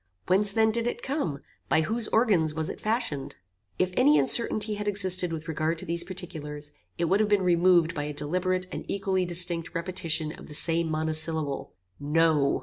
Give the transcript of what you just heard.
Whence then did it come? By whose organs was it fashioned? "If any uncertainty had existed with regard to these particulars, it would have been removed by a deliberate and equally distinct repetition of the same monosyllable, "No."